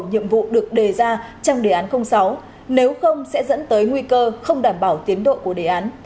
nhiệm vụ được đề ra trong đề án sáu nếu không sẽ dẫn tới nguy cơ không đảm bảo tiến độ của đề án